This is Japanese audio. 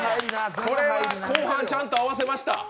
後半、ちゃんと合わせました。